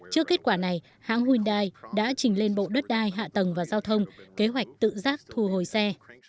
trước kết quả này hãng hyundai đã trình lên bộ đất đai hạ tầng và giao thông kế hoạch tự giác thu hồi xe